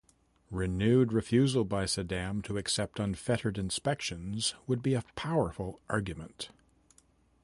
Renewed refusal by Saddam to accept unfettered inspections would be a powerful argument.